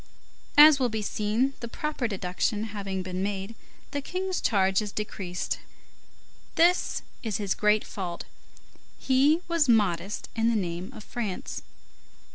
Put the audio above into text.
As will be seen, the proper deduction having been made, the King's charge is decreased. This is his great fault; he was modest in the name of France.